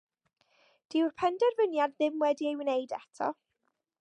Dyw'r penderfyniad ddim wedi'i wneud eto.